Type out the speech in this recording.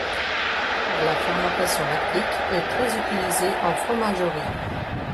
La fermentation lactique est très utilisée en fromagerie.